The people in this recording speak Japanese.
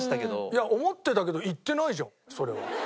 いや思ってたけど言ってないじゃんそれは。